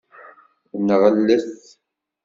Nɣellet.